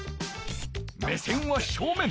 目線は正面。